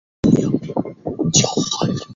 犁头鳅为平鳍鳅科犁头鳅属的鱼类。